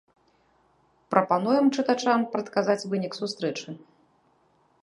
Прапануем чытачам прадказаць вынік сустрэчы.